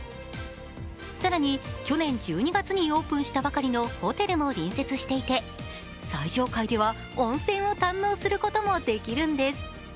更に、去年１２月にオープンしたばかりのホテルも隣接していて最上階では温泉を堪能することもできるんです。